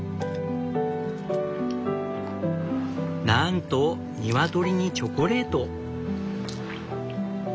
なんとニワトリにチョコレート！